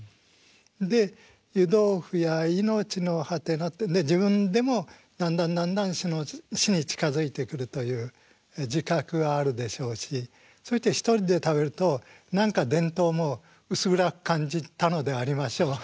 「湯豆腐やいのちのはての」って自分でもだんだんだんだん死に近づいてくるという自覚はあるでしょうしそして一人で食べると電灯も薄暗く感じたのでありましょう。